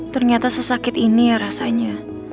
ternyata sesakit ini ya rasanya